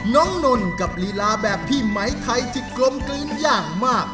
น้องนนท์กับลีลาแบบพี่ไหมทัยที่กลมกลิ้นอย่างมาก